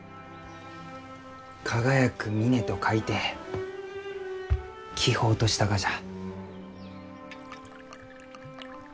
輝く峰と書いて輝峰としたがじゃ。